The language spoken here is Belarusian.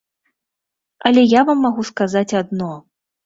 Але я вам магу сказаць адно.